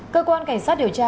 cơ quan cảnh sát điều tra